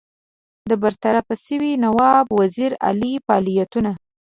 د برطرفه سوي نواب وزیر علي فعالیتونو.